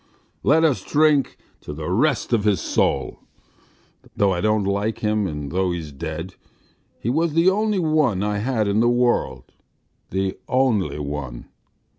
... B r r r. ... Let us drink to the rest of his soul! Though I don't like him and though he's dead, he was the only one I had in the world, the only one.